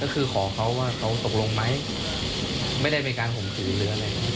คือขอเขาว่าเขาตกลงไหมไม่ได้ไปการผมถือหรืออะไร